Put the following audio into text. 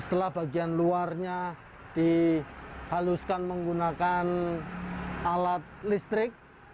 setelah bagian luarnya dihaluskan menggunakan alat listrik